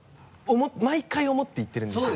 毎回思って行ってるんですよ。